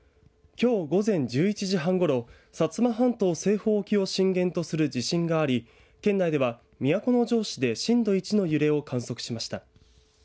きょう午前１１時半ごろ薩摩半島西方沖を震源とする地震があり県内では都城市で震度１の揺れを観測しました。